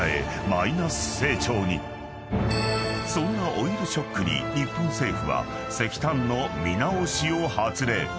［そんなオイルショックに日本政府は石炭の見直しを発令］